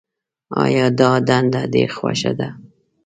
آیا دا دنده دې خوښه ده.